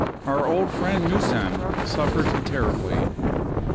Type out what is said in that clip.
Our old friend Muhsam suffered 1 terribly.